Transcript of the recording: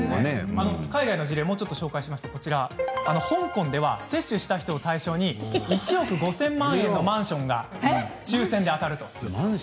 海外の事例をもう少し紹介しますと香港では接種した人を対象に１億５０００万円のマンションが規模が。